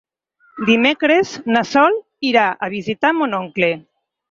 Dimecres na Sol irà a visitar mon oncle.